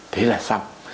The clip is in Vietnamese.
thế là xong